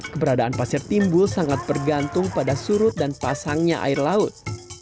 keberadaan pasir timbul sangat bergantung pada surut dan pasangnya air laut